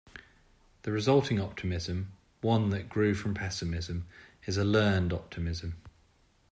The resulting optimism-one that grew from pessimism-is a learned optimism.